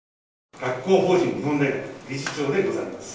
学校法人日本大学理事長でございます。